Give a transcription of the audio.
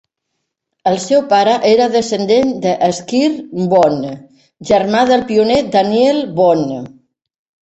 El seu pare era descendent de Squire Boone, germà del pioner Daniel Boone.